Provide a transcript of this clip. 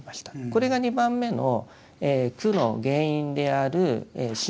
これが２番目の苦の原因である真実。